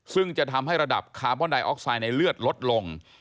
ซึ่งจะทำให้ระดับคาร์บอนไดออกไซด์ในเลือดลดลง